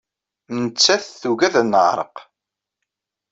Nettat tuggad ad neɛreq.